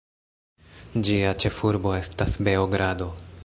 Ĝia ĉefurbo estas Beogrado.